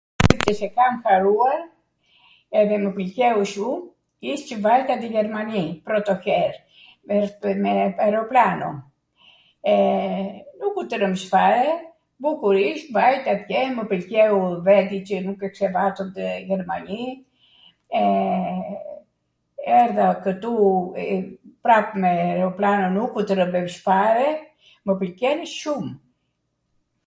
qw s'e kam harruar edhe mw pwlqeu shum, isht qw vajta nw Jermani protoher, me aeroplano. Nuk u trwmbsh fare, bukur isht, vajta atje, mw pwlqeu vendi qw nuk kesha vatur nw Jermani, e, erdha kwtu prap me aroplanon un, nukw trwmbesh fare, mw pwlqenw shum.